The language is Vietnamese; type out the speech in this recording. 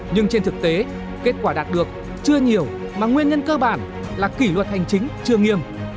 nhưng trên thực tế kết quả đạt được chưa nhiều mà nguyên nhân cơ bản là kỷ luật hành chính chưa nghiêm